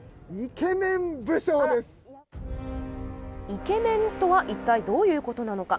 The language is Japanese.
イケメンとは一体どういうことなのか。